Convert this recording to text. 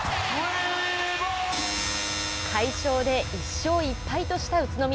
快勝で１勝１敗とした宇都宮。